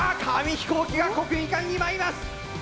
飛行機が国技館に舞います！